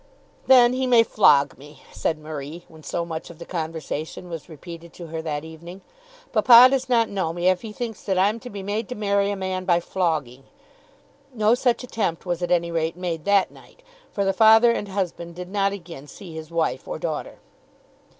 "Then he may flog me," said Marie, when so much of the conversation was repeated to her that evening. "Papa does not know me if he thinks that I'm to be made to marry a man by flogging." No such attempt was at any rate made that night, for the father and husband did not again see his wife or daughter.